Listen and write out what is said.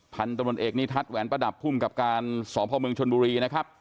พันธุรกิจตรวนเอกนิทัศน์แหวนประดับผู้มกับการสอบภาคเมืองชนบุรีนะครับ